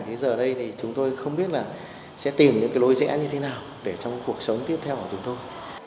thế giờ đây thì chúng tôi không biết là sẽ tìm những cái lối dễ như thế nào để trong cuộc sống tiếp theo của chúng tôi